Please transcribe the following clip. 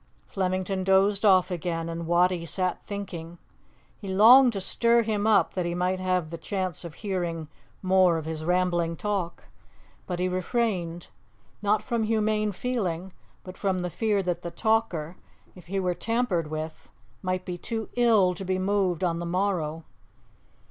Flemington dozed off again, and Wattie sat thinking; he longed to stir him up, that he might have the chance of hearing more of his rambling talk. But he refrained, not from humane feeling, but from the fear that the talker, if he were tampered with, might be too ill to be moved on the morrow.